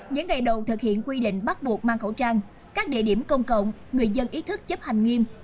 những ngày đầu thực hiện quy định bắt buộc mang khẩu trang các địa điểm công cộng người dân ý thức chấp hành nghiêm